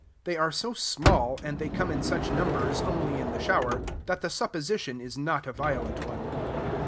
They are so small, and they come in such numbers only in the shower, that the supposition is not a violent one.